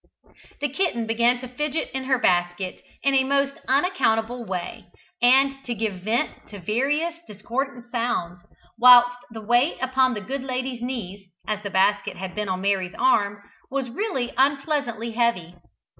The kitten began to fidget in her basket in a most unaccountable way, and to give vent to various discordant sounds, whilst the weight upon the good lady's knees, as the basket had been on Mary's arm, was really unpleasantly heavy.